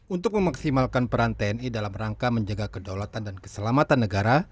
untuk memaksimalkan peran tni dalam rangka menjaga kedaulatan dan keselamatan negara